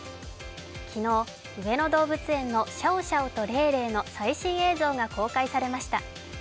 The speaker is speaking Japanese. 昨日、上野動物園のシャオシャオとレイレイの最新映像が公開されました。